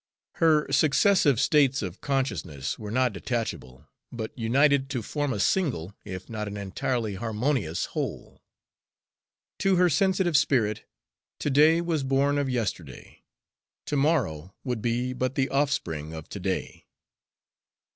Her successive states of consciousness were not detachable, but united to form a single if not an entirely harmonious whole. To her sensitive spirit to day was born of yesterday, to morrow would be but the offspring of to day.